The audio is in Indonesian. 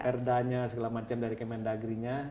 perdanya segala macam dari kemendagri nya